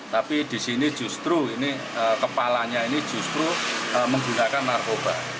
tapi di sini justru ini kepalanya ini justru menggunakan narkoba